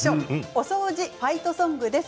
お掃除ファイトソングです。